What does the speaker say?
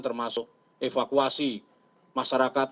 termasuk evakuasi masyarakat